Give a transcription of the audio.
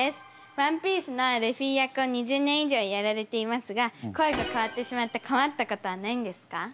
「ＯＮＥＰＩＥＣＥ」のルフィ役を２０年以上やられていますが声が変わってしまって困ったことはないんですか？